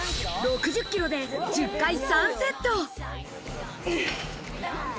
６０キロで１０回、３セット。